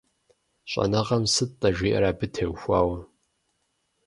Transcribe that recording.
ЩӀэныгъэм сыт-тӀэ жиӀэр абы теухуауэ?